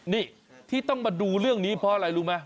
นี่ที่ต้องมาดูเรื่องนี้เพราะอะไรรู้ไหม